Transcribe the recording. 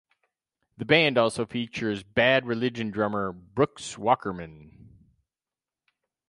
The band also features Bad Religion drummer Brooks Wackerman.